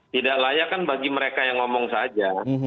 tidak layak kan bagi mereka yang ngomong saja